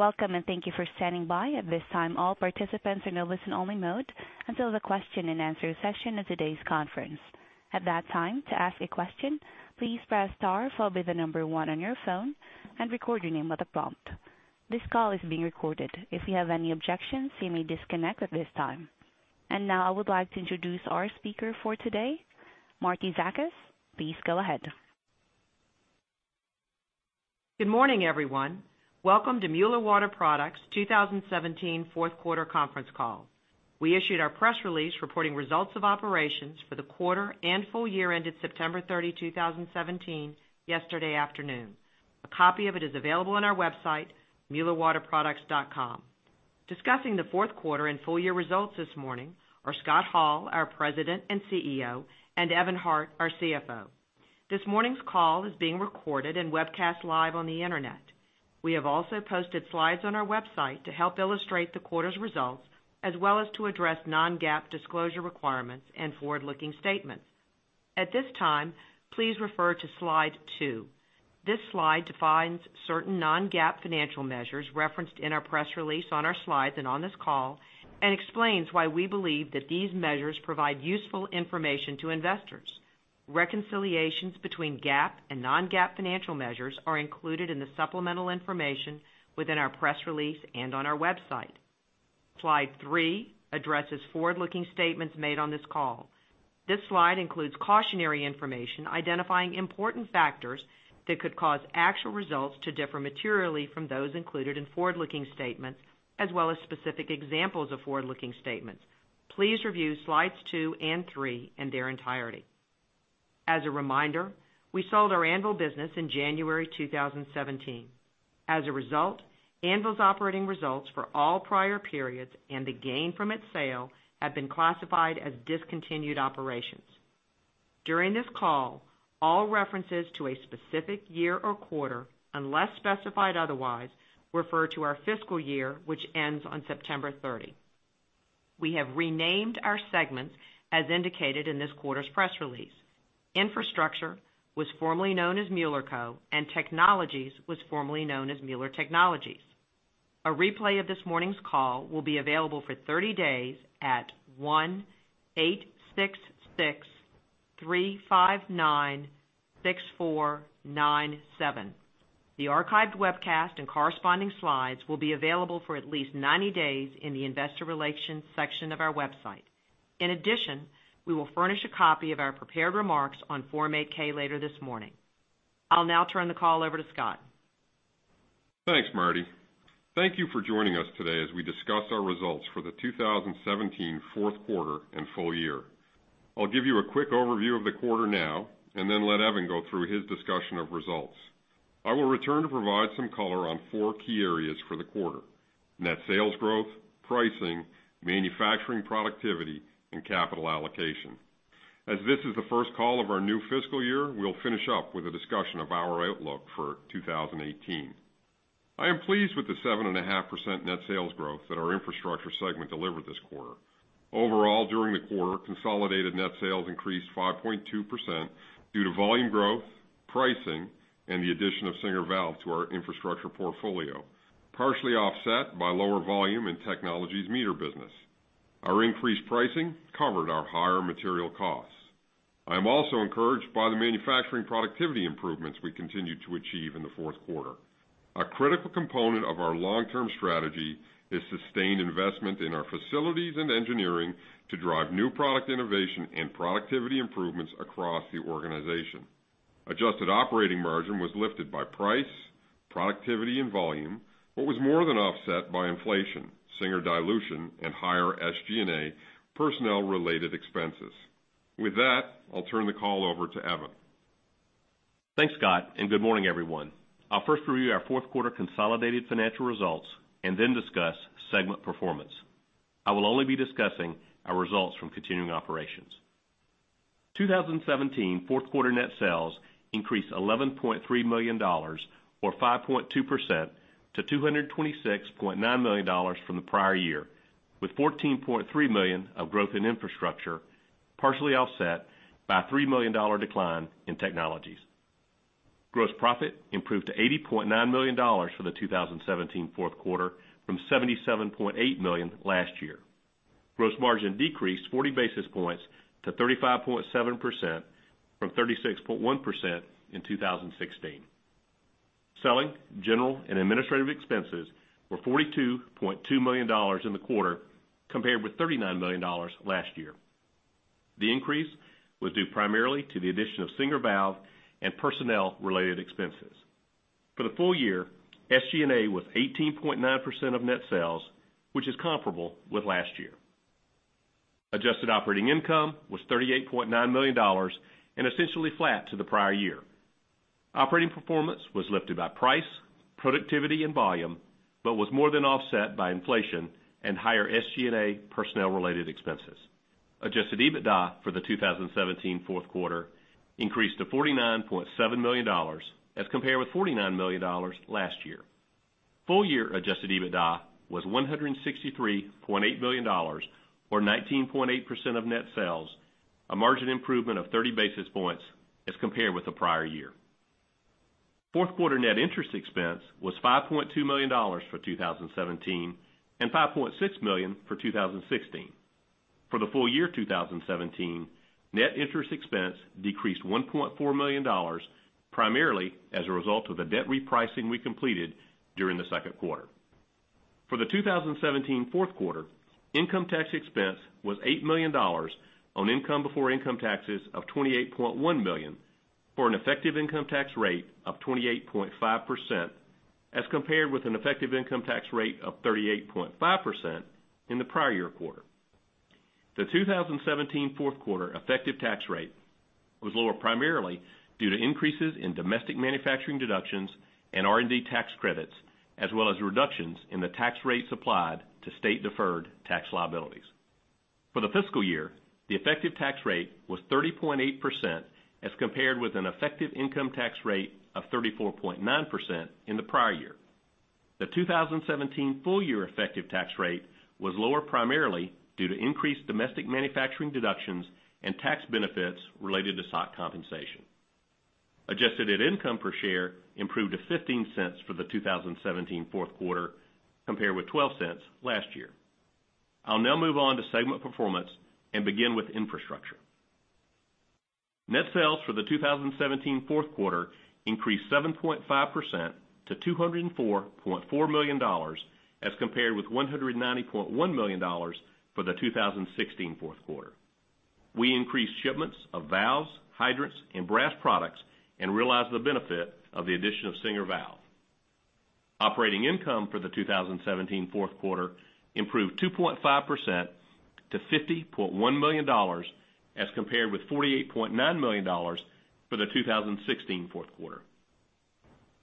Welcome, and thank you for standing by. At this time, all participants are in a listen-only mode until the question-and-answer session of today's conference. At that time, to ask a question, please press star followed by the number one on your phone and record your name at the prompt. This call is being recorded. If you have any objections, you may disconnect at this time. Now I would like to introduce our speaker for today, Marietta Zakas. Please go ahead. Good morning, everyone. Welcome to Mueller Water Products' 2017 fourth quarter conference call. We issued our press release reporting results of operations for the quarter and full year ended September 30, 2017 yesterday afternoon. A copy of it is available on our website, muellerwaterproducts.com. Discussing the fourth quarter and full year results this morning are Scott Hall, our President and CEO, and Evan Hart, our CFO. This morning's call is being recorded and webcast live on the internet. We have also posted slides on our website to help illustrate the quarter's results, as well as to address non-GAAP disclosure requirements and forward-looking statements. At this time, please refer to Slide two. This slide defines certain non-GAAP financial measures referenced in our press release on our slides and on this call and explains why we believe that these measures provide useful information to investors. Reconciliations between GAAP and non-GAAP financial measures are included in the supplemental information within our press release and on our website. Slide three addresses forward-looking statements made on this call. This slide includes cautionary information identifying important factors that could cause actual results to differ materially from those included in forward-looking statements, as well as specific examples of forward-looking statements. Please review Slides two and three in their entirety. As a reminder, we sold our Anvil business in January 2017. As a result, Anvil's operating results for all prior periods and the gain from its sale have been classified as discontinued operations. During this call, all references to a specific year or quarter, unless specified otherwise, refer to our fiscal year, which ends on September 30. We have renamed our segments as indicated in this quarter's press release. Infrastructure was formerly known as Mueller Co. Technologies was formerly known as Mueller Technologies. A replay of this morning's call will be available for 30 days at 1-866-359-6497. The archived webcast and corresponding slides will be available for at least 90 days in the investor relations section of our website. In addition, we will furnish a copy of our prepared remarks on Form 8-K later this morning. I'll now turn the call over to Scott. Thanks, Marty. Thank you for joining us today as we discuss our results for the 2017 fourth quarter and full year. I'll give you a quick overview of the quarter now and then let Evan go through his discussion of results. I will return to provide some color on four key areas for the quarter, net sales growth, pricing, manufacturing productivity, and capital allocation. As this is the first call of our new fiscal year, we'll finish up with a discussion of our outlook for 2018. I am pleased with the 7.5% net sales growth that our infrastructure segment delivered this quarter. Overall, during the quarter, consolidated net sales increased 5.2% due to volume growth, pricing, and the addition of Singer Valve to our infrastructure portfolio, partially offset by lower volume in Technologies meter business. Our increased pricing covered our higher material costs. I am also encouraged by the manufacturing productivity improvements we continued to achieve in the fourth quarter. A critical component of our long-term strategy is sustained investment in our facilities and engineering to drive new product innovation and productivity improvements across the organization. Adjusted operating margin was lifted by price, productivity, and volume, but was more than offset by inflation, Singer dilution, and higher SG&A personnel-related expenses. With that, I'll turn the call over to Evan. Thanks, Scott. Good morning, everyone. I'll first review our fourth quarter consolidated financial results and then discuss segment performance. I will only be discussing our results from continuing operations. 2017 fourth quarter net sales increased $11.3 million, or 5.2%, to $226.9 million from the prior year, with $14.3 million of growth in infrastructure, partially offset by a $3 million decline in Technologies. Gross profit improved to $80.9 million for the 2017 fourth quarter from $77.8 million last year. Gross margin decreased 40 basis points to 35.7% from 36.1% in 2016. Selling, general, and administrative expenses were $42.2 million in the quarter, compared with $39 million last year. The increase was due primarily to the addition of Singer Valve and personnel-related expenses. For the full year, SG&A was 18.9% of net sales, which is comparable with last year. Adjusted operating income was $38.9 million, essentially flat to the prior year. Operating performance was lifted by price, productivity, and volume, but was more than offset by inflation and higher SG&A personnel-related expenses. Adjusted EBITDA for the 2017 fourth quarter increased to $49.7 million as compared with $49 million last year. Full-year adjusted EBITDA was $163.8 million, or 19.8% of net sales. A margin improvement of 30 basis points as compared with the prior year. Fourth quarter net interest expense was $5.2 million for 2017, and $5.6 million for 2016. For the full year 2017, net interest expense decreased $1.4 million, primarily as a result of the debt repricing we completed during the second quarter. For the 2017 fourth quarter, income tax expense was $8 million on income before income taxes of $28.1 million, for an effective income tax rate of 28.5% as compared with an effective income tax rate of 38.5% in the prior year quarter. The 2017 fourth quarter effective tax rate was lower primarily due to increases in domestic manufacturing deductions and R&D tax credits, as well as reductions in the tax rates applied to state-deferred tax liabilities. For the fiscal year, the effective tax rate was 30.8% as compared with an effective income tax rate of 34.9% in the prior year. The 2017 full-year effective tax rate was lower primarily due to increased domestic manufacturing deductions and tax benefits related to stock compensation. Adjusted net income per share improved to $0.15 for the 2017 fourth quarter, compared with $0.12 last year. I'll now move on to segment performance and begin with infrastructure. Net sales for the 2017 fourth quarter increased 7.5% to $204.4 million as compared with $190.1 million for the 2016 fourth quarter. We increased shipments of valves, hydrants, and brass products and realized the benefit of the addition of Singer Valve. Operating income for the 2017 fourth quarter improved 2.5% to $50.1 million as compared with $48.9 million for the 2016 fourth quarter.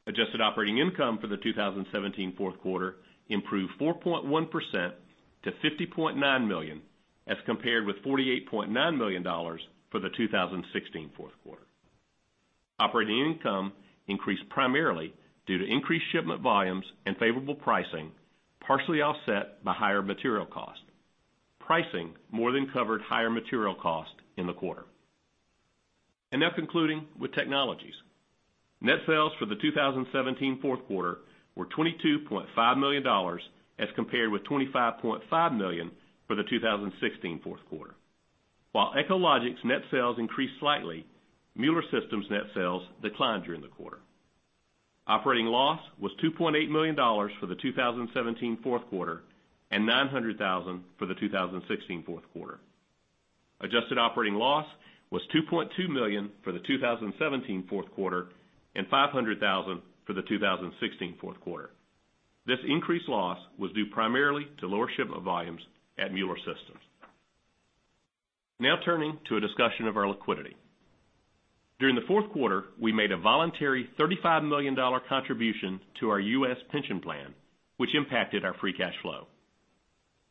Adjusted operating income for the 2017 fourth quarter improved 4.1% to $50.9 million, as compared with $48.9 million for the 2016 fourth quarter. Operating income increased primarily due to increased shipment volumes and favorable pricing, partially offset by higher material cost. Pricing more than covered higher material cost in the quarter. Now concluding with Technologies. Net sales for the 2017 fourth quarter were $22.5 million as compared with $25.5 million for the 2016 fourth quarter. While Echologics net sales increased slightly, Mueller Systems net sales declined during the quarter. Operating loss was $2.8 million for the 2017 fourth quarter and $900,000 for the 2016 fourth quarter. Adjusted operating loss was $2.2 million for the 2017 fourth quarter and $500,000 for the 2016 fourth quarter. This increased loss was due primarily to lower shipment volumes at Mueller Systems. Now turning to a discussion of our liquidity. During the fourth quarter, we made a voluntary $35 million contribution to our U.S. pension plan, which impacted our free cash flow.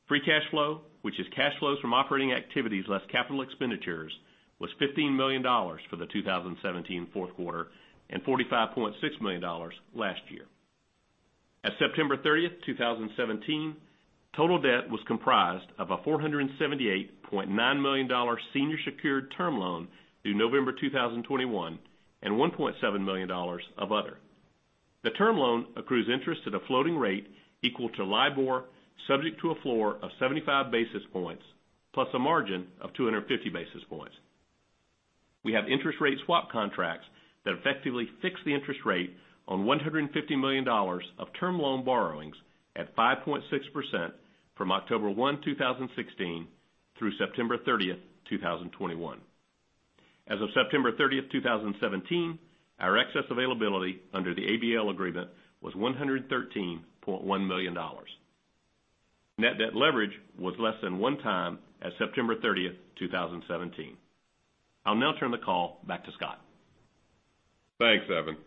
Free cash flow, which is cash flows from operating activities less capital expenditures, was $15 million for the 2017 fourth quarter and $45.6 million last year. At September 30th, 2017, total debt was comprised of a $478.9 million senior secured term loan due November 2021, and $1.7 million of other. The term loan accrues interest at a floating rate equal to LIBOR, subject to a floor of 75 basis points, plus a margin of 250 basis points. We have interest rate swap contracts that effectively fix the interest rate on $150 million of term loan borrowings at 5.6% from October 1, 2016 through September 30th, 2021. As of September 30th, 2017, our excess availability under the ABL agreement was $113.1 million. Net debt leverage was less than one time as September 30th, 2017. I'll now turn the call back to Scott. Thanks, Evan.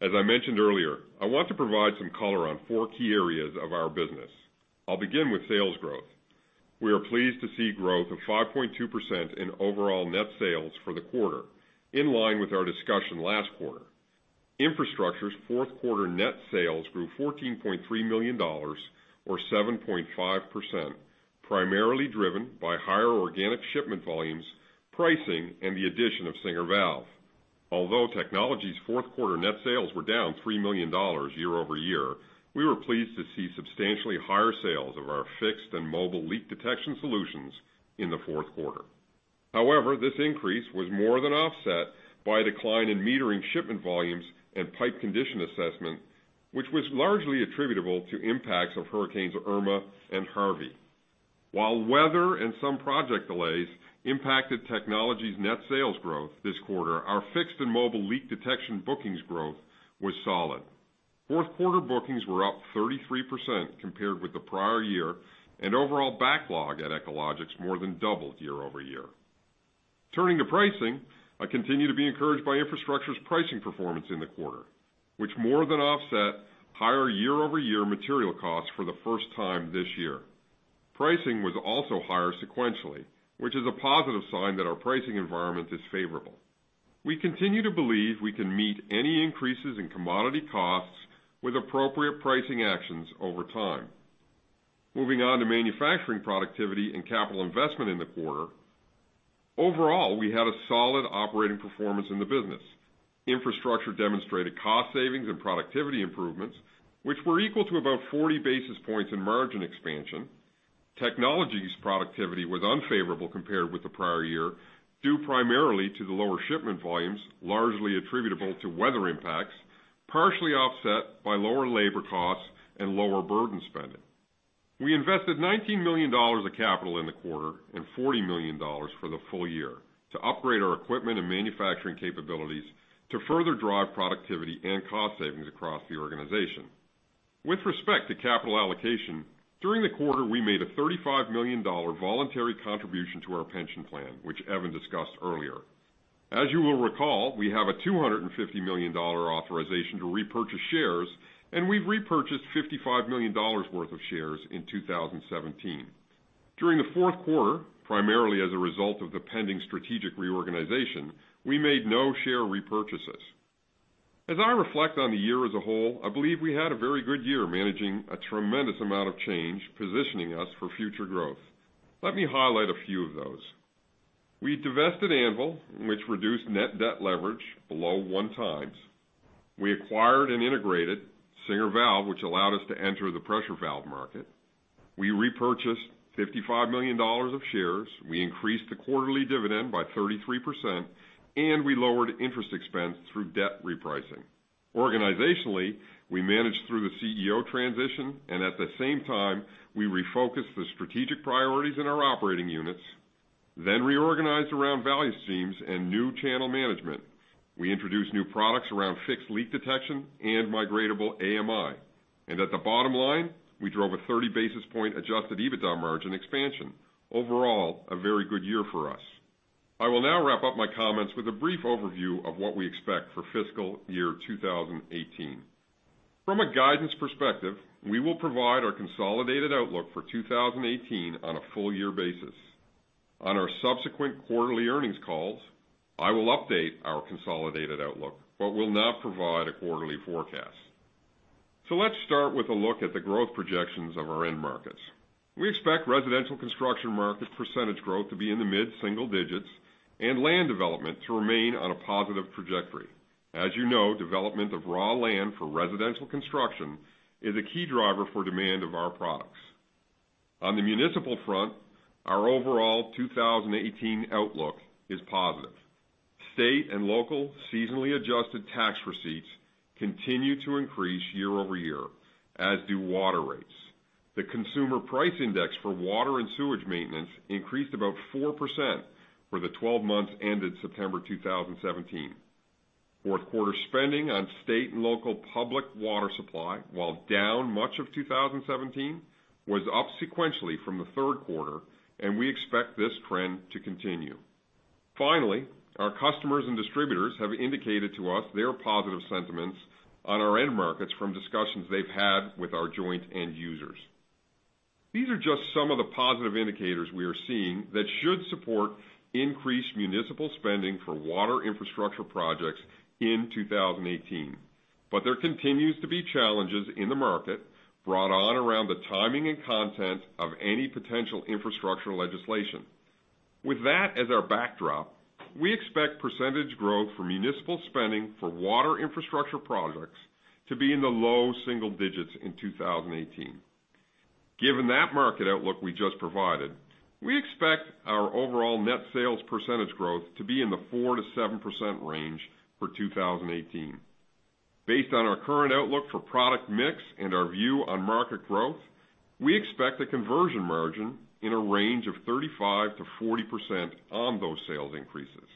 As I mentioned earlier, I want to provide some color on four key areas of our business. I'll begin with sales growth. We are pleased to see growth of 5.2% in overall net sales for the quarter, in line with our discussion last quarter. Infrastructure's fourth quarter net sales grew $14.3 million or 7.5%, primarily driven by higher organic shipment volumes, pricing, and the addition of Singer Valve. Although Technologies' fourth quarter net sales were down $3 million year-over-year, we were pleased to see substantially higher sales of our fixed and mobile leak detection solutions in the fourth quarter. However, this increase was more than offset by a decline in metering shipment volumes and pipe condition assessment, which was largely attributable to impacts of Hurricanes Irma and Harvey. While weather and some project delays impacted Technologies net sales growth this quarter, our fixed and mobile leak detection bookings growth was solid. Fourth quarter bookings were up 33% compared with the prior year, and overall backlog at Echologics more than doubled year-over-year. Turning to pricing, I continue to be encouraged by Infrastructure's pricing performance in the quarter, which more than offset higher year-over-year material costs for the first time this year. Pricing was also higher sequentially, which is a positive sign that our pricing environment is favorable. We continue to believe we can meet any increases in commodity costs with appropriate pricing actions over time. Moving on to manufacturing productivity and capital investment in the quarter. Overall, we had a solid operating performance in the business. Infrastructure demonstrated cost savings and productivity improvements, which were equal to about 40 basis points in margin expansion. Technologies' productivity was unfavorable compared with the prior year, due primarily to the lower shipment volumes, largely attributable to weather impacts, partially offset by lower labor costs and lower burden spending. We invested $19 million of capital in the quarter and $40 million for the full year to upgrade our equipment and manufacturing capabilities to further drive productivity and cost savings across the organization. With respect to capital allocation, during the quarter, we made a $35 million voluntary contribution to our pension plan, which Evan discussed earlier. As you will recall, we have a $250 million authorization to repurchase shares, and we've repurchased $55 million worth of shares in 2017. During the fourth quarter, primarily as a result of the pending strategic reorganization, we made no share repurchases. As I reflect on the year as a whole, I believe we had a very good year managing a tremendous amount of change, positioning us for future growth. Let me highlight a few of those. We divested Anvil, which reduced net debt leverage below one times. We acquired and integrated Singer Valve, which allowed us to enter the pressure valve market. We repurchased $55 million of shares. We increased the quarterly dividend by 33%, we lowered interest expense through debt repricing. Organizationally, we managed through the CEO transition, at the same time, we refocused the strategic priorities in our operating units, reorganized around value streams and new channel management. We introduced new products around fixed leak detection and migratable AMI. At the bottom line, we drove a 30 basis point adjusted EBITDA margin expansion. Overall, a very good year for us. I will now wrap up my comments with a brief overview of what we expect for fiscal year 2018. From a guidance perspective, we will provide our consolidated outlook for 2018 on a full year basis. On our subsequent quarterly earnings calls, I will update our consolidated outlook, but will not provide a quarterly forecast. Let's start with a look at the growth projections of our end markets. We expect residential construction market percentage growth to be in the mid-single digits and land development to remain on a positive trajectory. As you know, development of raw land for residential construction is a key driver for demand of our products. On the municipal front, our overall 2018 outlook is positive. State and local seasonally adjusted tax receipts continue to increase year-over-year, as do water rates. The consumer price index for water and sewage maintenance increased about 4% for the 12 months ended September 2017. Fourth quarter spending on state and local public water supply, while down much of 2017, was up sequentially from the third quarter. We expect this trend to continue. Finally, our customers and distributors have indicated to us their positive sentiments on our end markets from discussions they've had with our joint end users. These are just some of the positive indicators we are seeing that should support increased municipal spending for water infrastructure projects in 2018. There continues to be challenges in the market brought on around the timing and content of any potential infrastructure legislation. With that as our backdrop, we expect percentage growth for municipal spending for water infrastructure projects to be in the low single digits in 2018. Given that market outlook we just provided, we expect our overall net sales percentage growth to be in the 4%-7% range for 2018. Based on our current outlook for product mix and our view on market growth, we expect a conversion margin in a range of 35%-40% on those sales increases.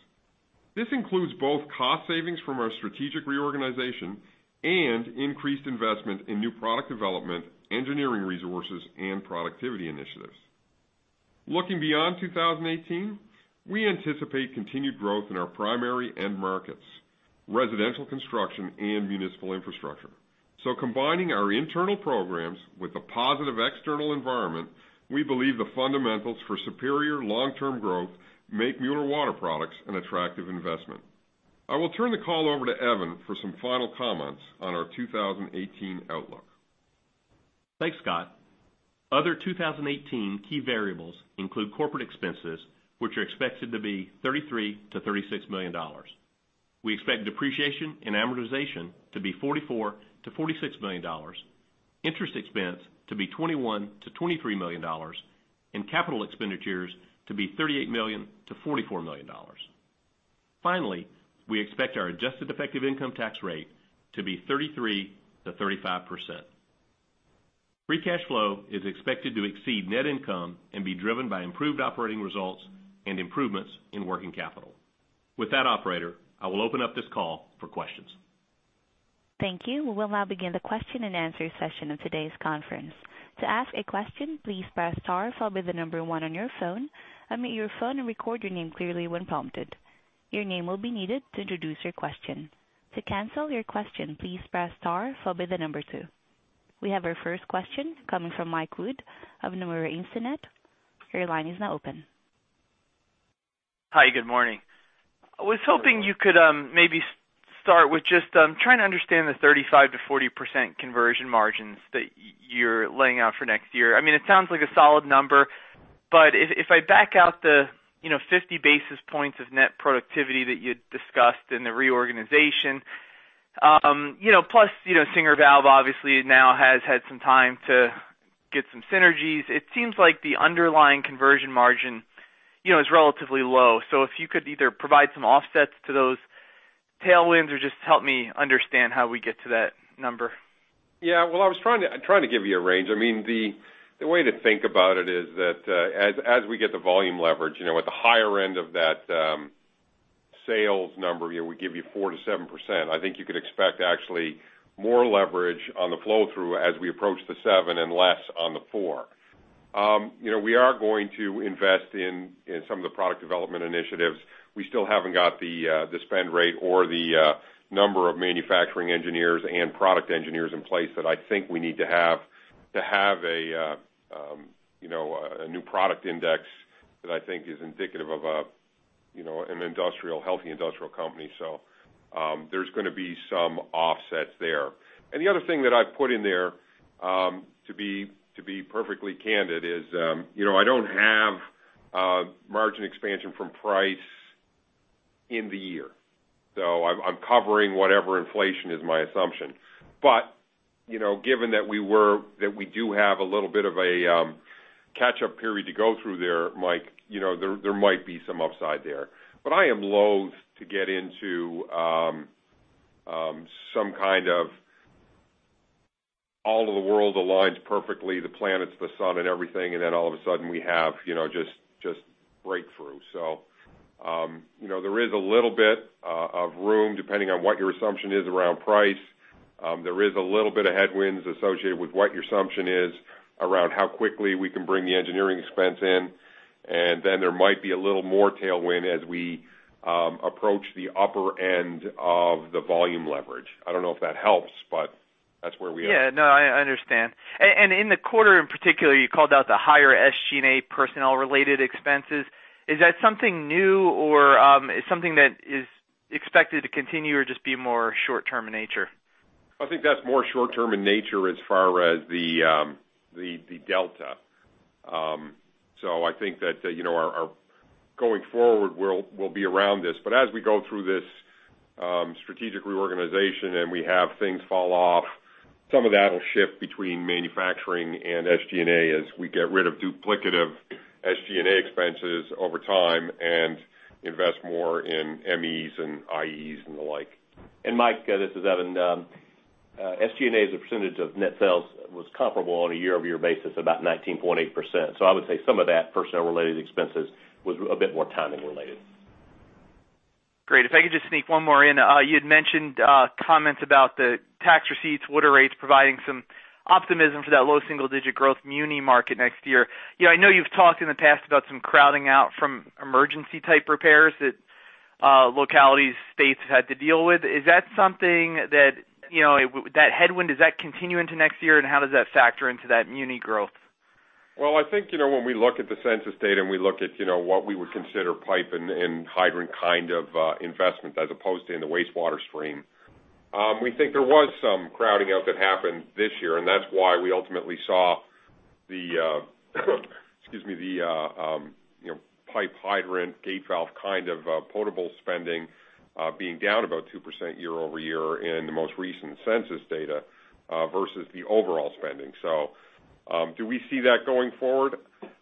This includes both cost savings from our strategic reorganization and increased investment in new product development, engineering resources, and productivity initiatives. Looking beyond 2018, we anticipate continued growth in our primary end markets, residential construction and municipal infrastructure. Combining our internal programs with a positive external environment, we believe the fundamentals for superior long-term growth make Mueller Water Products an attractive investment. I will turn the call over to Evan for some final comments on our 2018 outlook. Thanks, Scott. Other 2018 key variables include corporate expenses, which are expected to be $33 million-$36 million. We expect depreciation and amortization to be $44 million-$46 million, interest expense to be $21 million-$23 million, and capital expenditures to be $38 million-$44 million. Finally, we expect our adjusted effective income tax rate to be 33%-35%. Free cash flow is expected to exceed net income and be driven by improved operating results and improvements in working capital. With that, operator, I will open up this call for questions. Thank you. We will now begin the question-and-answer session of today's conference. To ask a question, please press star followed by the number 1 on your phone, unmute your phone and record your name clearly when prompted. Your name will be needed to introduce your question. To cancel your question, please press star followed by the number 2. We have our first question coming from Mike Hood of Nomura Instinet. Your line is now open. Hi, good morning. I was hoping you could maybe start with just trying to understand the 35%-40% conversion margins that you're laying out for next year. It sounds like a solid number, but if I back out the 50 basis points of net productivity that you'd discussed in the reorganization, plus Singer Valve obviously now has had some time to get some synergies. It seems like the underlying conversion margin is relatively low. If you could either provide some offsets to those tailwinds or just help me understand how we get to that number. Well, I was trying to give you a range. The way to think about it is that as we get the volume leverage, at the higher end of that sales number, we give you 4%-7%. I think you could expect actually more leverage on the flow-through as we approach the 7 and less on the 4. We are going to invest in some of the product development initiatives. We still haven't got the spend rate or the number of manufacturing engineers and product engineers in place that I think we need to have, to have a new product index that I think is indicative of a healthy industrial company. There's going to be some offsets there. The other thing that I've put in there, to be perfectly candid, is I don't have margin expansion from price in the year. I'm covering whatever inflation is my assumption. Given that we do have a little bit of a catch-up period to go through there, Mike, there might be some upside there. I am loathe to get into some kind of all of the world aligns perfectly, the planets, the sun and everything, and then all of a sudden we have just breakthrough. There is a little bit of room, depending on what your assumption is around price. There is a little bit of headwinds associated with what your assumption is around how quickly we can bring the engineering expense in, and then there might be a little more tailwind as we approach the upper end of the volume leverage. I don't know if that helps, but that's where we are. I understand. In the quarter in particular, you called out the higher SG&A personnel-related expenses. Is that something new, or is something that is expected to continue or just be more short-term in nature? I think that's more short-term in nature as far as the delta. I think that, going forward, we'll be around this. As we go through this strategic reorganization and we have things fall off, some of that'll shift between manufacturing and SG&A as we get rid of duplicative SG&A expenses over time and invest more in MEs and IEs and the like. Mike, this is Evan. SG&A as a percentage of net sales was comparable on a year-over-year basis, about 19.8%. I would say some of that personnel-related expenses was a bit more timing related. Great. If I could just sneak one more in. You had mentioned comments about the tax receipts, water rates providing some optimism for that low single-digit growth muni market next year. I know you've talked in the past about some crowding out from emergency type repairs that localities, states have had to deal with. Is that something that headwind, does that continue into next year, and how does that factor into that muni growth? I think, when we look at the census data and we look at what we would consider pipe and hydrant kind of investments as opposed to in the wastewater stream, we think there was some crowding out that happened this year, that's why we ultimately saw the pipe hydrant, gate valve kind of potable spending being down about 2% year-over-year in the most recent census data versus the overall spending. Do we see that going forward?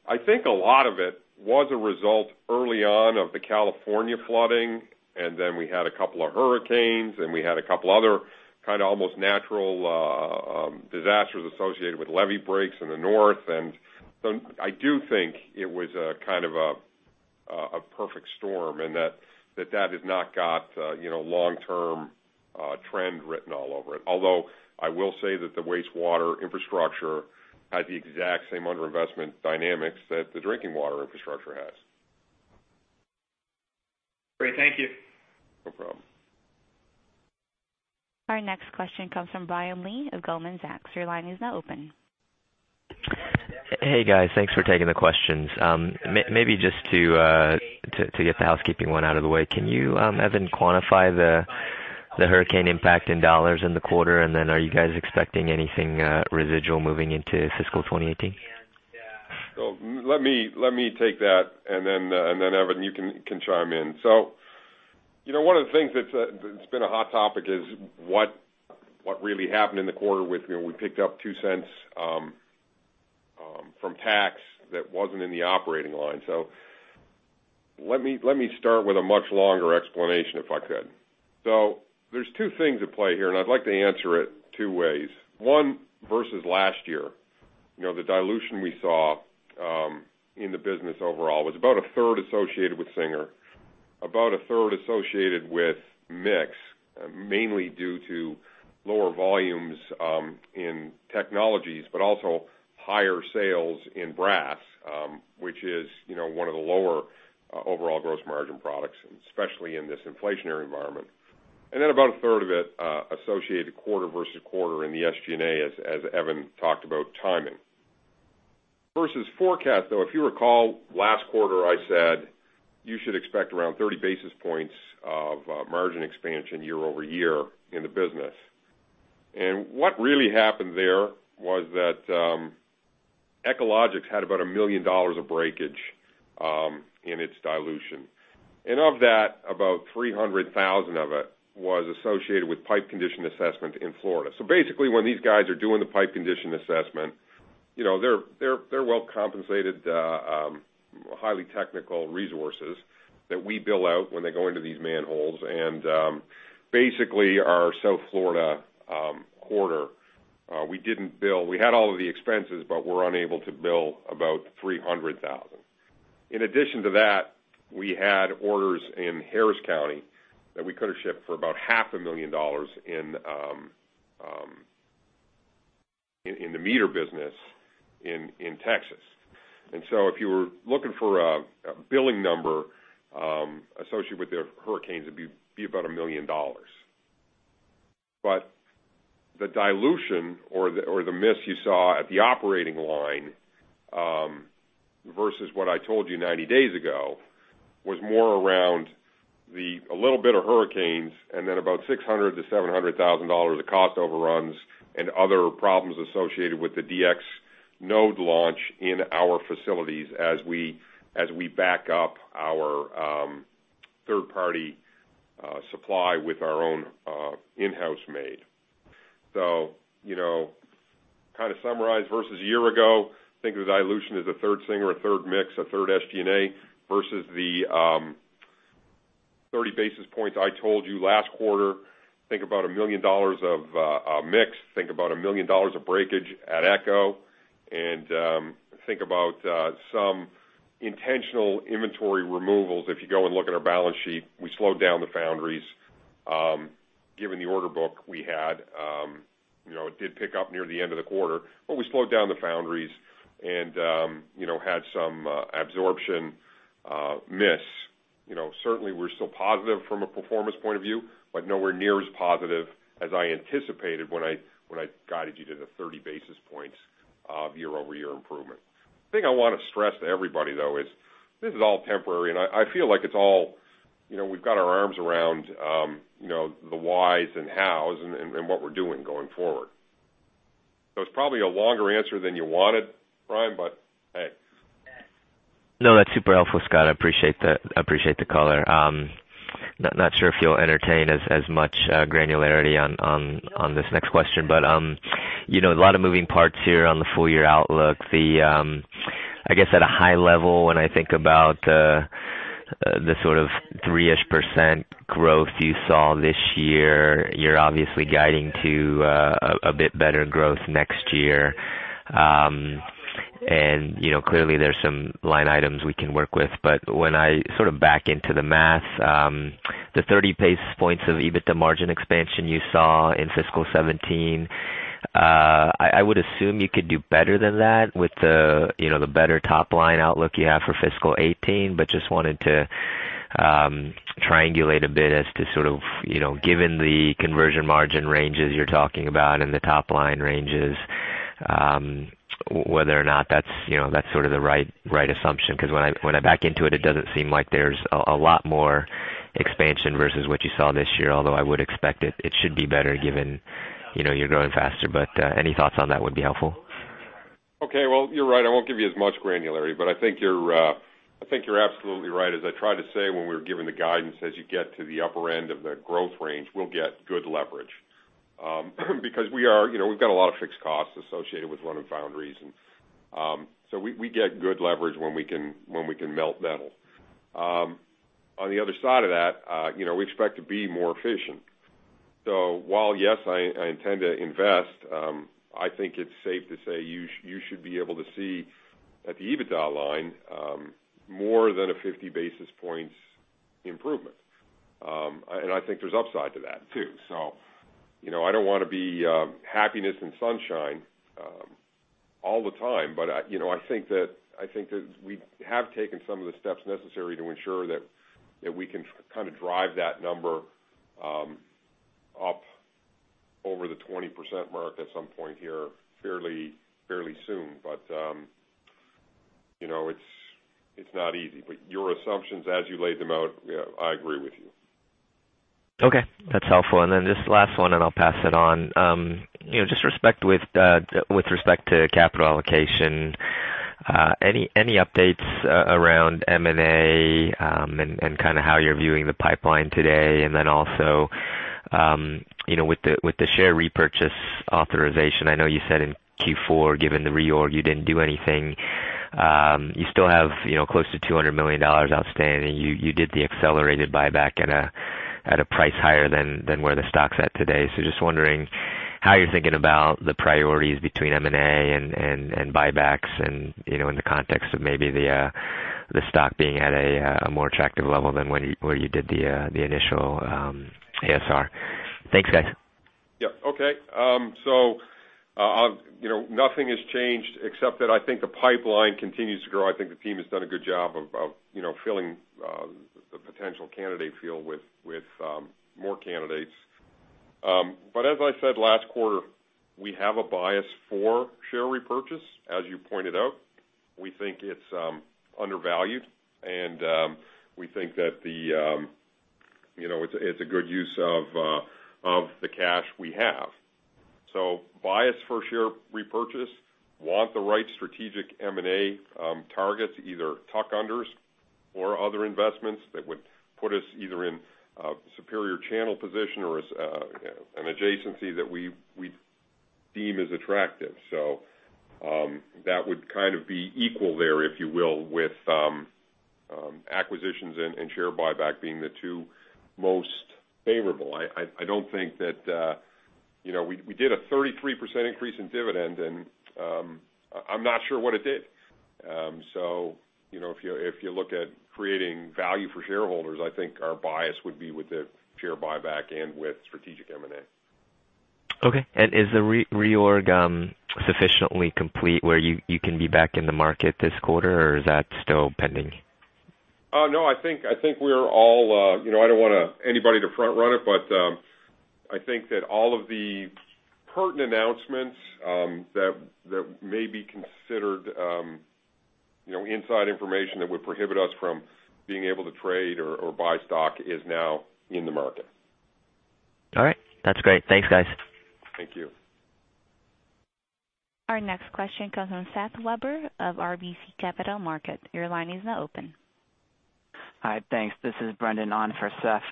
I think a lot of it was a result early on of the California flooding, then we had a couple of hurricanes, and we had a couple other kind of almost natural disasters associated with levee breaks in the north. I do think it was a kind of a perfect storm, and that has not got long-term trend written all over it. I will say that the wastewater infrastructure had the exact same under-investment dynamics that the drinking water infrastructure has. Great. Thank you. No problem. Our next question comes from Brian Lee of Goldman Sachs. Your line is now open. Hey, guys. Thanks for taking the questions. Maybe just to get the housekeeping one out of the way, can you, Evan, quantify the hurricane impact in dollars in the quarter, then are you guys expecting anything residual moving into fiscal 2018? Let me take that, then Evan, you can chime in. One of the things that's been a hot topic is what really happened in the quarter with, we picked up $0.02 from tax that wasn't in the operating line. Let me start with a much longer explanation, if I could. There's two things at play here, and I'd like to answer it two ways. One, versus last year, the dilution we saw in the business overall was about a third associated with Singer, about a third associated with mix, mainly due to lower volumes in Mueller Technologies, but also higher sales in brass products, which is one of the lower overall gross margin products, especially in this inflationary environment. About a third of it associated quarter versus quarter in the SG&A, as Evan talked about timing. Versus forecast, though, if you recall last quarter, I said you should expect around 30 basis points of margin expansion year-over-year in the business. What really happened there was that Echologics had about $1 million of breakage in its dilution. Of that, about $300,000 of it was associated with pipe condition assessment in Florida. Basically, when these guys are doing the pipe condition assessment, they're well-compensated, highly technical resources that we bill out when they go into these manholes. Basically, our South Florida quarter, we had all of the expenses, but were unable to bill about $300,000. In addition to that, we had orders in Harris County that we could have shipped for about half a million dollars in the meter business in Texas. If you were looking for a billing number associated with the hurricanes, it would be about $1 million. The dilution or the miss you saw at the operating line, versus what I told you 90 days ago, was more around a little bit of hurricanes and then about $600,000-$700,000 of cost overruns and other problems associated with the EchoShore-DX node launch in our facilities as we back up our third-party supply with our own in-house made. Kind of summarized versus a year ago, think of the dilution as a third Singer, a third mix, a third SG&A, versus the 30 basis points I told you last quarter. Think about $1 million of mix, think about $1 million of breakage at Echo, and think about some intentional inventory removals. If you go and look at our balance sheet, we slowed down the foundries given the order book we had. It did pick up near the end of the quarter, but we slowed down the foundries and had some absorption miss. Certainly, we're still positive from a performance point of view, but nowhere near as positive as I anticipated when I guided you to the 30 basis points of year-over-year improvement. The thing I want to stress to everybody, though, is this is all temporary, and I feel like we've got our arms around the whys and hows and what we're doing going forward. It's probably a longer answer than you wanted, Brian, but hey. No, that's super helpful, Scott. I appreciate the color. I'm not sure if you'll entertain as much granularity on this next question, but a lot of moving parts here on the full-year outlook. I guess at a high level, when I think about the sort of 3-ish % growth you saw this year, you're obviously guiding to a bit better growth next year. Clearly, there's some line items we can work with. When I sort of back into the math, the 30 basis points of EBITDA margin expansion you saw in fiscal 2017, I would assume you could do better than that with the better top-line outlook you have for fiscal 2018. Just wanted to triangulate a bit as to sort of, given the conversion margin ranges you're talking about and the top-line ranges, whether or not that's sort of the right assumption, because when I back into it doesn't seem like there's a lot more expansion versus what you saw this year. Although I would expect it should be better given you're growing faster. Any thoughts on that would be helpful. You're right. I won't give you as much granularity, but I think you're absolutely right. As I tried to say when we were giving the guidance, as you get to the upper end of the growth range, we'll get good leverage. Because we've got a lot of fixed costs associated with running foundries, and we get good leverage when we can melt metal. On the other side of that, we expect to be more efficient. While, yes, I intend to invest, I think it's safe to say you should be able to see at the EBITDA line more than a 50 basis points improvement. I think there's upside to that, too. I don't want to be happiness and sunshine all the time, but I think that we have taken some of the steps necessary to ensure that we can kind of drive that number up over the 20% mark at some point here fairly soon. It's not easy. Your assumptions, as you laid them out, I agree with you. Okay, that's helpful. Just last one, and I'll pass it on. With respect to capital allocation, any updates around M&A and kind of how you're viewing the pipeline today? Also, with the share repurchase authorization, I know you said in Q4, given the reorg, you didn't do anything. You still have close to $200 million outstanding. You did the accelerated buyback at a price higher than where the stock's at today. Just wondering how you're thinking about the priorities between M&A and buybacks and in the context of maybe the stock being at a more attractive level than where you did the initial ASR. Thanks, guys. Yeah. Okay. Nothing has changed except that I think the pipeline continues to grow. I think the team has done a good job of filling the potential candidate field with more candidates. As I said, last quarter, we have a bias for share repurchase, as you pointed out. We think it's undervalued, and we think that it's a good use of the cash we have. Bias for share repurchase, want the right strategic M&A targets, either tuck-unders or other investments that would put us either in a superior channel position or an adjacency that we deem is attractive. That would kind of be equal there, if you will, with acquisitions and share buyback being the two most favorable. We did a 33% increase in dividend, and I'm not sure what it did. If you look at creating value for shareholders, I think our bias would be with the share buyback and with strategic M&A. Okay. Is the reorg sufficiently complete where you can be back in the market this quarter or is that still pending? No, I don't want anybody to front run it, but I think that all of the pertinent announcements that may be considered inside information that would prohibit us from being able to trade or buy stock is now in the market. All right. That's great. Thanks, guys. Thank you. Our next question comes from Seth Weber of RBC Capital Markets. Your line is now open. Hi, thanks. This is Brendan on for Seth.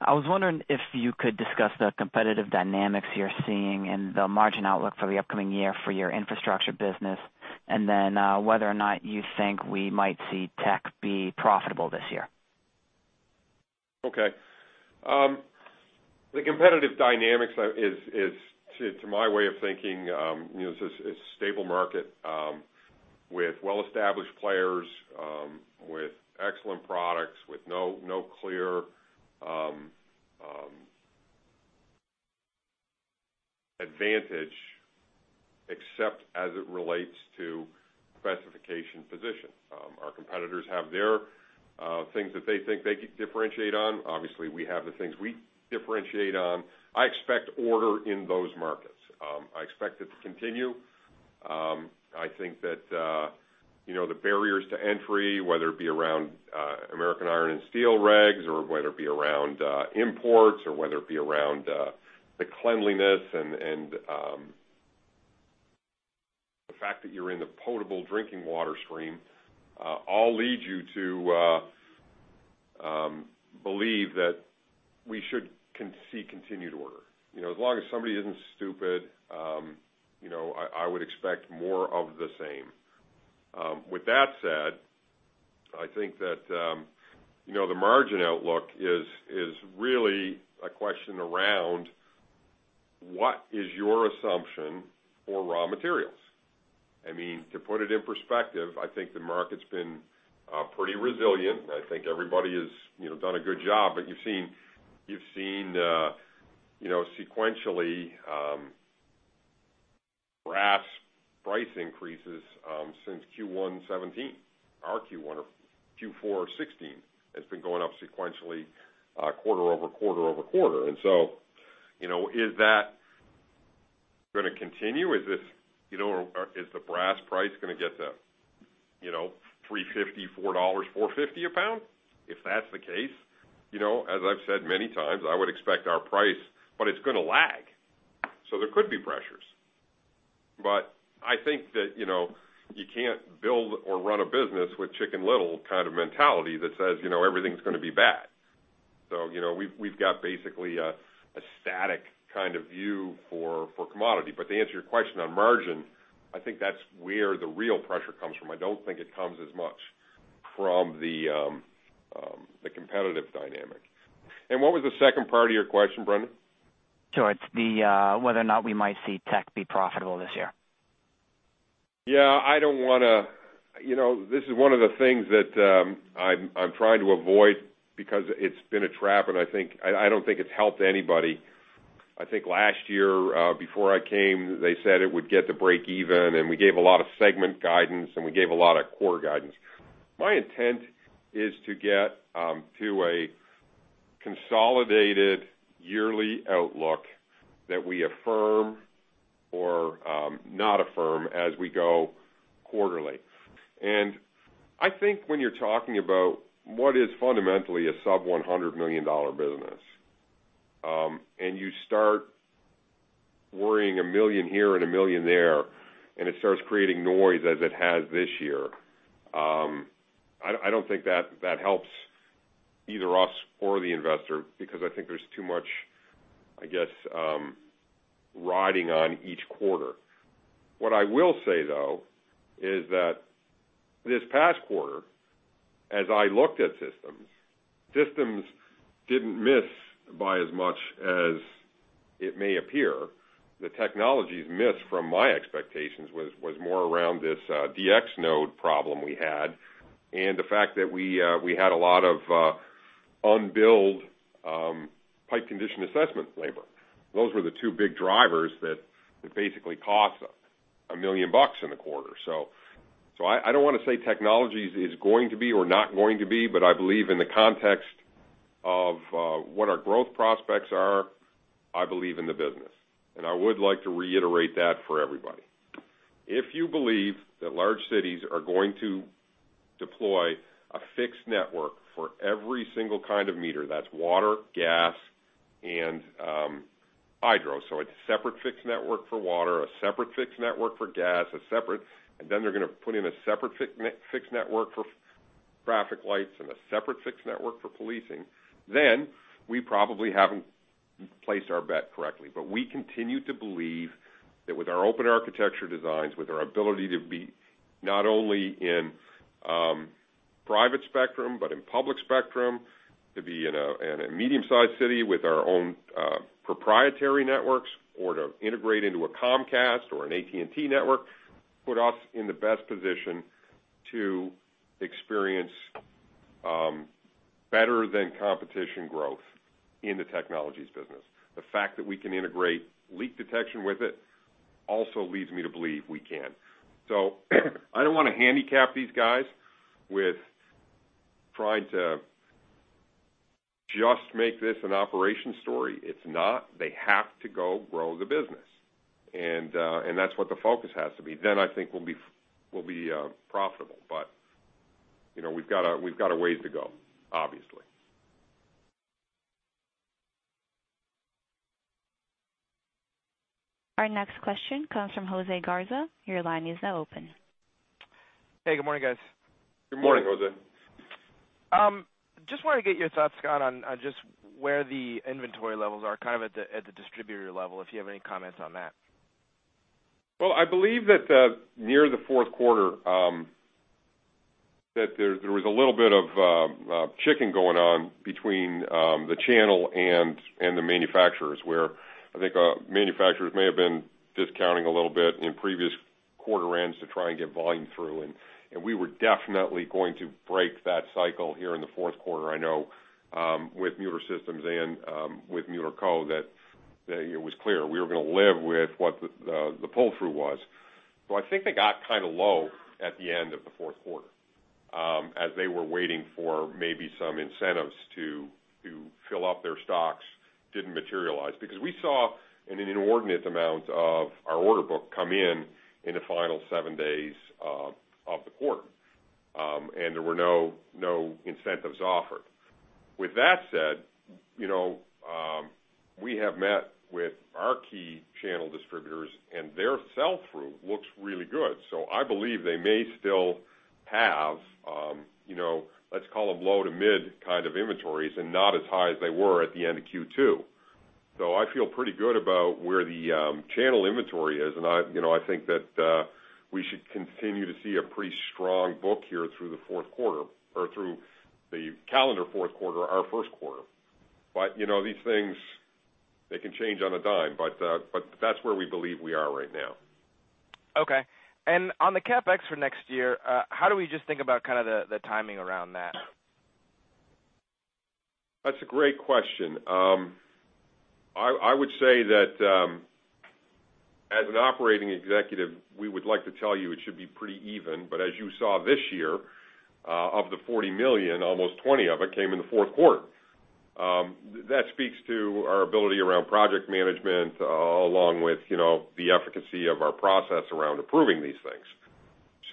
I was wondering if you could discuss the competitive dynamics you're seeing and the margin outlook for the upcoming year for your infrastructure business, and then whether or not you think we might see Tech be profitable this year. Okay. The competitive dynamics is, to my way of thinking, it's a stable market with well-established players, with excellent products, with no clear advantage except as it relates to specification position. Our competitors have their things that they think they could differentiate on. Obviously, we have the things we differentiate on. I expect order in those markets. I expect it to continue. I think that the barriers to entry, whether it be around American Iron and Steel provision, or whether it be around imports, or whether it be around the cleanliness and the fact that you're in the potable drinking water stream, all lead you to believe that we should see continued order. As long as somebody isn't stupid, I would expect more of the same. With that said, I think that the margin outlook is really a question around what is your assumption for raw materials? To put it in perspective, I think the market's been pretty resilient, and I think everybody has done a good job, but you've seen sequentially brass price increases since Q4 2016. It's been going up sequentially quarter-over-quarter-over-quarter. Is that going to continue? Is the brass price going to get to $3.50, $4, $4.50 a pound? If that's the case, as I've said many times, I would expect our price, but it's going to lag. There could be pressures. I think that you can't build or run a business with Chicken Little kind of mentality that says everything's going to be bad. We've got basically a static kind of view for commodity. To answer your question on margin, I think that's where the real pressure comes from. I don't think it comes as much from the competitive dynamic. What was the second part of your question, Brendan? Sure. It's whether or not we might see Tech be profitable this year. Yeah. This is one of the things that I'm trying to avoid because it's been a trap, and I don't think it's helped anybody. I think last year, before I came, they said it would get to break even, and we gave a lot of segment guidance, and we gave a lot of core guidance. My intent is to get to a consolidated yearly outlook that we affirm or not affirm as we go quarterly. I think when you're talking about what is fundamentally a sub-$100 million business, and you start worrying a $1 million here and a $1 million there, and it starts creating noise as it has this year, I don't think that helps either us or the investor because I think there's too much riding on each quarter. What I will say, though, is that this past quarter, as I looked at systems didn't miss by as much as it may appear. The technologies missed from my expectations was more around this EchoShore-DX node problem we had and the fact that we had a lot of unbilled pipe condition assessment labor. Those were the two big drivers that basically cost us $1 million in the quarter. I don't want to say technologies is going to be or not going to be, but I believe in the context of what our growth prospects are, I believe in the business, and I would like to reiterate that for everybody. If you believe that large cities are going to deploy a fixed network for every single kind of meter, that's water, gas, and hydro. A separate fixed network for water, a separate fixed network for gas, they're going to put in a separate fixed network for traffic lights and a separate fixed network for policing. We probably haven't placed our bet correctly. We continue to believe that with our open architecture designs, with our ability to be not only in private spectrum, but in public spectrum, to be in a medium-sized city with our own proprietary networks, or to integrate into a Comcast or an AT&T network, put us in the best position to experience better than competition growth in the technologies business. The fact that we can integrate leak detection with it also leads me to believe we can. I don't want to handicap these guys with trying to just make this an operation story. It's not. They have to go grow the business, that's what the focus has to be. I think we'll be profitable. We've got a ways to go, obviously. Our next question comes from Jose Garza. Your line is now open. Hey, good morning, guys. Good morning, Jose. Just want to get your thoughts, Scott, on just where the inventory levels are at the distributor level, if you have any comments on that. Well, I believe that near the fourth quarter, that there was a little bit of chicken going on between the channel and the manufacturers, where I think manufacturers may have been discounting a little bit in previous quarter ends to try and get volume through. We were definitely going to break that cycle here in the fourth quarter. I know with Mueller Systems and with Mueller Co., that it was clear we were going to live with what the pull-through was. I think they got kind of low at the end of the fourth quarter, as they were waiting for maybe some incentives to fill up their stocks didn't materialize. Because we saw an inordinate amount of our order book come in in the final seven days of the quarter, and there were no incentives offered. With that said, we have met with our key channel distributors. Their sell-through looks really good. I believe they may still have, let's call them low to mid kind of inventories and not as high as they were at the end of Q2. I feel pretty good about where the channel inventory is, and I think that we should continue to see a pretty strong book here through the fourth quarter or through the calendar fourth quarter, our first quarter. These things, they can change on a dime, but that's where we believe we are right now. Okay. On the CapEx for next year, how do we just think about kind of the timing around that? That's a great question. I would say that, as an operating executive, we would like to tell you it should be pretty even. As you saw this year, of the $40 million, almost $20 of it came in the fourth quarter. That speaks to our ability around project management, along with the efficacy of our process around approving these things.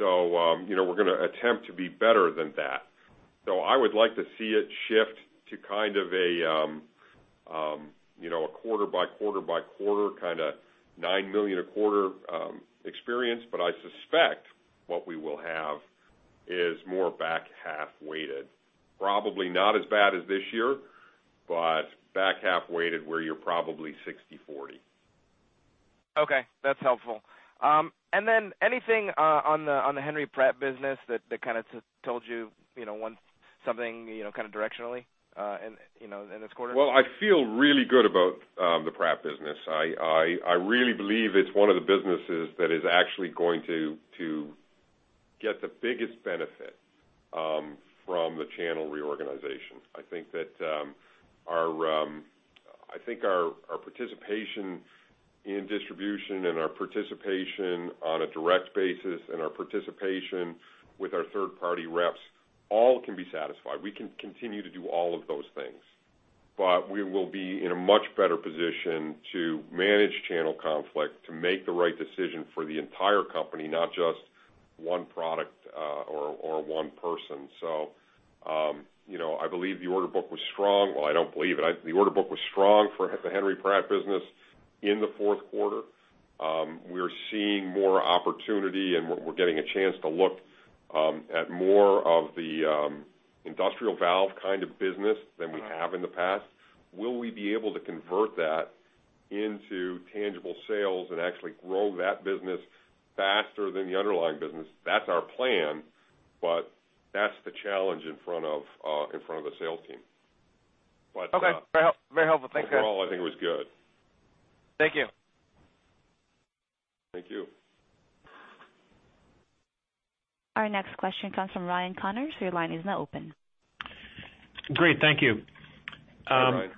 We're going to attempt to be better than that. I would like to see it shift to kind of a quarter by quarter by quarter kind of $9 million a quarter experience. I suspect what we will have is more back-half weighted. Probably not as bad as this year, but back-half weighted, where you're probably 60/40. Okay, that's helpful. Anything on the Henry Pratt business that kind of told you something kind of directionally in this quarter? Well, I feel really good about the Pratt business. I really believe it's one of the businesses that is actually going to get the biggest benefit from the channel reorganization. I think our participation in distribution and our participation on a direct basis, and our participation with our third-party reps all can be satisfied. We can continue to do all of those things. We will be in a much better position to manage channel conflict, to make the right decision for the entire company, not just one product or one person. I believe the order book was strong. Well, I don't believe it. The order book was strong for the Henry Pratt business in the fourth quarter. We're seeing more opportunity, and we're getting a chance to look at more of the industrial valve kind of business than we have in the past. Will we be able to convert that into tangible sales and actually grow that business faster than the underlying business? That's our plan, but that's the challenge in front of the sales team. Okay. Very helpful. Thanks, guys. Overall, I think it was good. Thank you. Thank you. Our next question comes from Ryan Connors. Your line is now open. Great. Thank you. Hey, Ryan.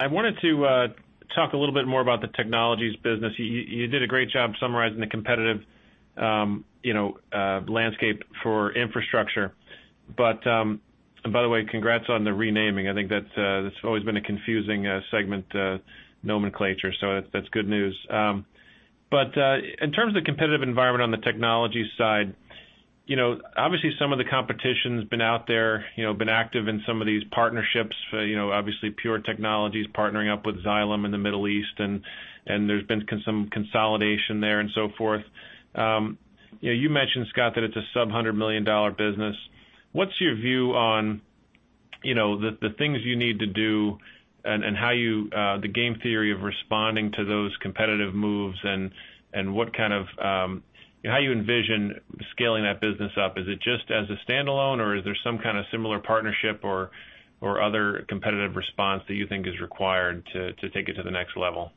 I wanted to talk a little bit more about the technologies business. You did a great job summarizing the competitive landscape for infrastructure. By the way, congrats on the renaming. I think that's always been a confusing segment nomenclature, that's good news. In terms of the competitive environment on the technology side, obviously some of the competition's been out there, been active in some of these partnerships. Obviously, Pure Technologies partnering up with Xylem in the Middle East, and there's been some consolidation there and so forth. You mentioned, Scott, that it's a sub-$100 million business. What's your view on the things you need to do and the game theory of responding to those competitive moves and how you envision scaling that business up? Is it just as a standalone or is there some kind of similar partnership or other competitive response that you think is required to take it to the next level?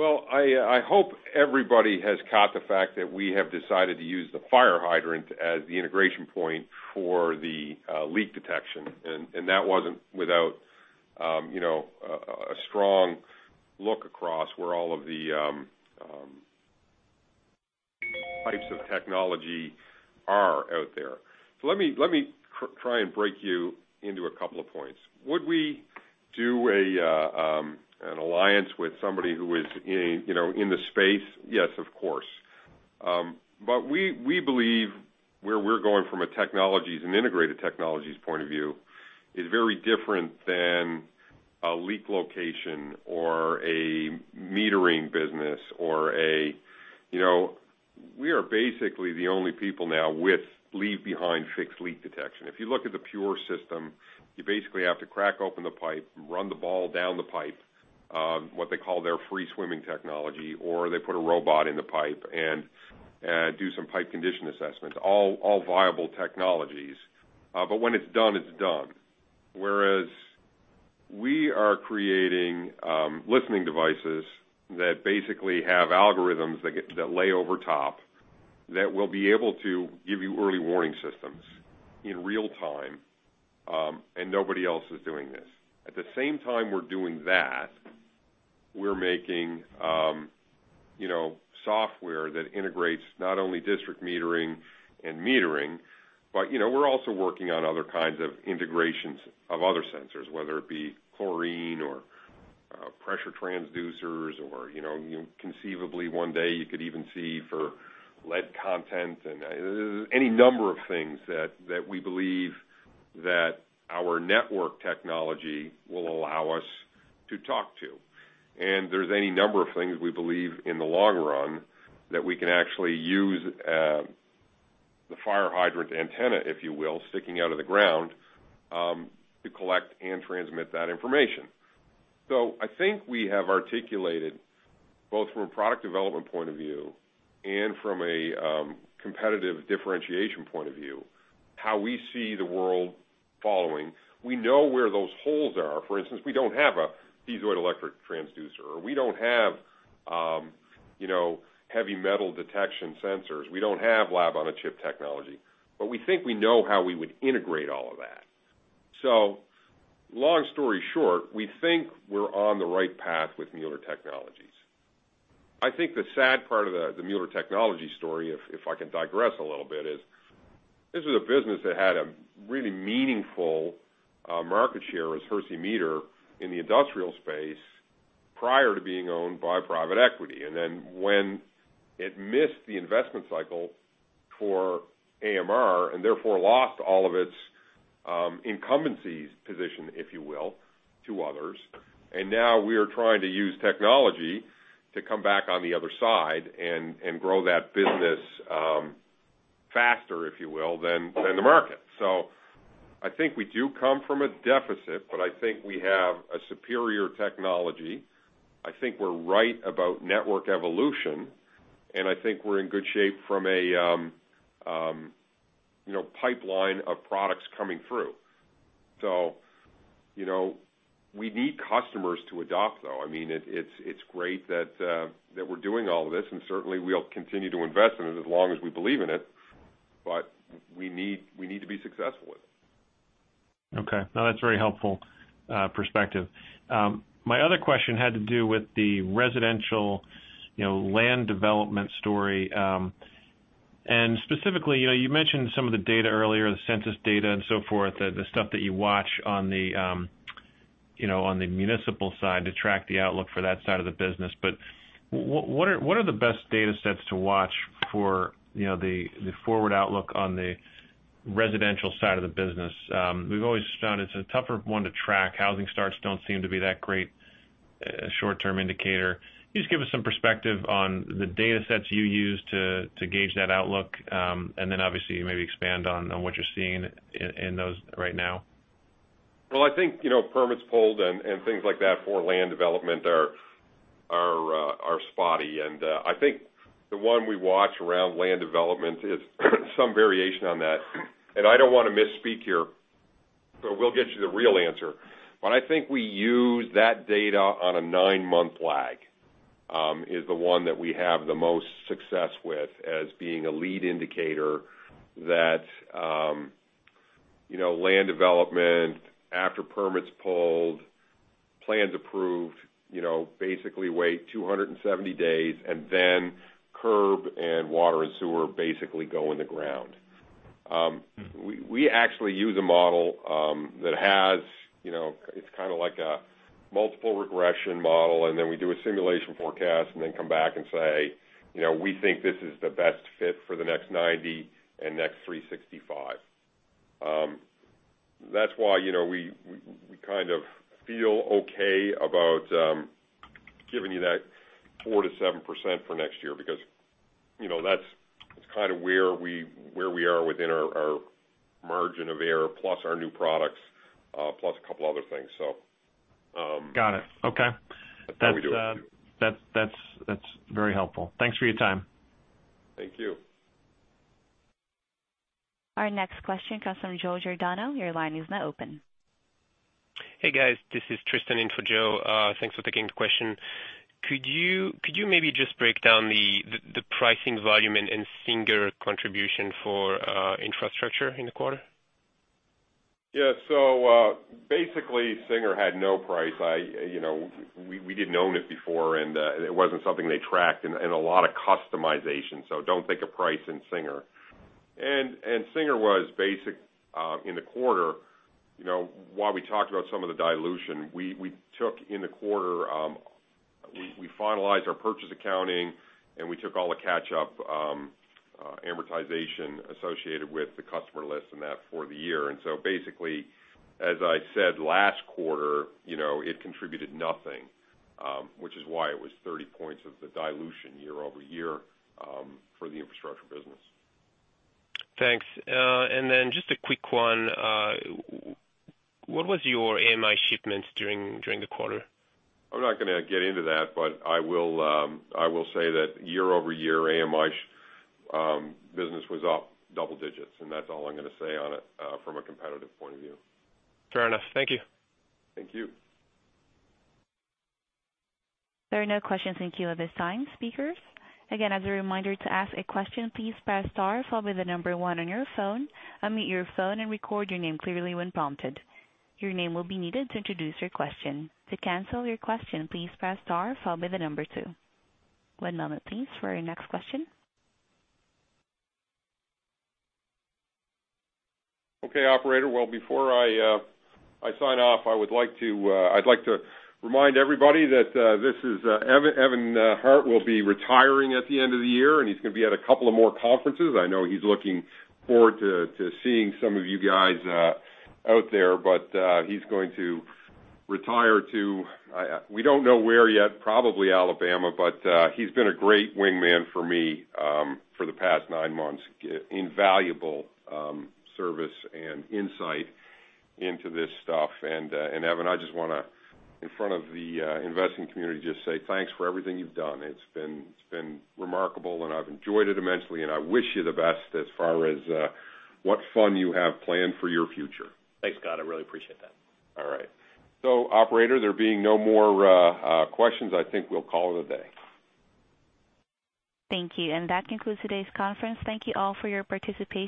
I hope everybody has caught the fact that we have decided to use the fire hydrant as the integration point for the leak detection. That wasn't without a strong look across where all of the types of technology are out there. Let me try and break you into a couple of points. Would we do an alliance with somebody who is in the space? Yes, of course. We believe where we're going from an integrated technologies point of view is very different than a leak location or a metering business. We are basically the only people now with leave behind fixed leak detection. If you look at the Pure system, you basically have to crack open the pipe and run the ball down the pipe, what they call their free swimming technology, or they put a robot in the pipe and do some pipe condition assessments. All viable technologies. When it's done, it's done. Whereas we are creating listening devices that basically have algorithms that lay over top, that will be able to give you early warning systems in real time, nobody else is doing this. At the same time we're doing that, we're making software that integrates not only district metering and metering, we're also working on other kinds of integrations of other sensors, whether it be chlorine or pressure transducers or conceivably one day you could even see for lead content and any number of things that we believe that our network technology will allow us to talk to. There's any number of things we believe in the long run that we can actually use the fire hydrant antenna, if you will, sticking out of the ground, to collect and transmit that information. I think we have articulated, both from a product development point of view and from a competitive differentiation point of view, how we see the world following. We know where those holes are. For instance, we don't have a piezoelectric transducer or we don't have heavy metal detection sensors. We don't have lab-on-a-chip technology, we think we know how we would integrate all of that. Long story short, we think we're on the right path with Mueller Technologies. I think the sad part of the Mueller Technologies story, if I can digress a little bit, is this was a business that had a really meaningful market share as Hersey Meter in the industrial space prior to being owned by private equity. Then when it missed the investment cycle for AMR and therefore lost all of its incumbency's position, if you will, to others. Now we are trying to use technology to come back on the other side and grow that business faster, if you will, than the market. I think we do come from a deficit, I think we have a superior technology. I think we're right about network evolution, I think we're in good shape from a pipeline of products coming through. We need customers to adopt, though. It's great that we're doing all of this, certainly we'll continue to invest in it as long as we believe in it, we need to be successful with it. Okay. No, that's a very helpful perspective. My other question had to do with the residential land development story. Specifically, you mentioned some of the data earlier, the census data and so forth, the stuff that you watch on the municipal side to track the outlook for that side of the business. What are the best data sets to watch for the forward outlook on the residential side of the business? We've always found it's a tougher one to track. Housing starts don't seem to be that great a short-term indicator. Can you just give us some perspective on the data sets you use to gauge that outlook? Then obviously maybe expand on what you're seeing in those right now. I think permits pulled and things like that for land development are spotty, I think the one we watch around land development is some variation on that. I don't want to misspeak here We'll get you the real answer. I think we use that data on a nine-month lag, is the one that we have the most success with as being a lead indicator that land development after permits pulled, plans approved, basically wait 270 days and then curb and water and sewer basically go in the ground. We actually use a model, it's like a multiple regression model, we do a simulation forecast and come back and say, "We think this is the best fit for the next 90 and next 365." That's why we feel okay about giving you that 4%-7% for next year, because that's where we are within our margin of error plus our new products, plus a couple other things. Got it. Okay. That's what we do. That's very helpful. Thanks for your time. Thank you. Our next question comes from Joe Giordano. Your line is now open. Hey, guys, this is Tristan in for Joe. Thanks for taking the question. Could you maybe just break down the pricing volume and Singer contribution for infrastructure in the quarter? Basically, Singer had no price. We didn't own it before, and it wasn't something they tracked and a lot of customization. Don't think of price and Singer. Singer was basic in the quarter. While we talked about some of the dilution, we took in the quarter, we finalized our purchase accounting, and we took all the catch-up amortization associated with the customer list and that for the year. Basically, as I said last quarter, it contributed nothing, which is why it was 30 points of the dilution year-over-year, for the infrastructure business. Thanks. Then just a quick one. What was your AMI shipments during the quarter? I'm not going to get into that. I will say that year-over-year, AMI business was up double digits, that's all I'm going to say on it from a competitive point of view. Fair enough. Thank you. Thank you. There are no questions in queue at this time, speakers. Again, as a reminder, to ask a question, please press star followed by the number 1 on your phone, unmute your phone and record your name clearly when prompted. Your name will be needed to introduce your question. To cancel your question, please press star followed by the number 2. One moment please for our next question. Okay, operator. Before I sign off, I'd like to remind everybody that Evan Hart will be retiring at the end of the year, and he's going to be at a couple of more conferences. I know he's looking forward to seeing some of you guys out there. He's going to retire to, we don't know where yet, probably Alabama, but he's been a great wing man for me for the past nine months. Invaluable service and insight into this stuff. Evan, I just want to, in front of the investing community, just say thanks for everything you've done. It's been remarkable, and I've enjoyed it immensely, and I wish you the best as far as what fun you have planned for your future. Thanks, Scott. I really appreciate that. All right. operator, there being no more questions, I think we'll call it a day. Thank you. That concludes today's conference. Thank you all for your participation